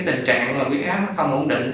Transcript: tình trạng viết áp không ổn định